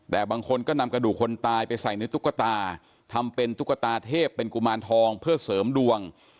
แต่บางคนก็นำกระดูกคนตายไปใส่ในตุ๊กตาทำเป็นตุ๊กตาเทพเป็นกุมารทองเพื่อเสริมดวง